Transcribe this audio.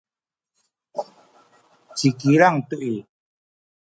ci Kilang tu i